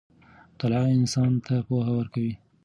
مطالعه انسان ته پوهه ورکوي.